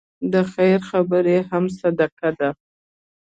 د خیر خبرې هم صدقه ده.